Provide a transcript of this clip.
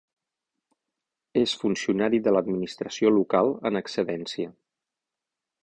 És funcionari de l'administració local en excedència.